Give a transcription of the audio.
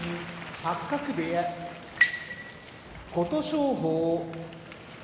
八角部屋琴勝峰